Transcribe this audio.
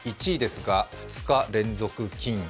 １位ですが、２日連続金。